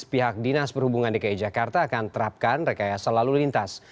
pihak dinas perhubungan dki jakarta akan terapkan rekayasa lalu lintas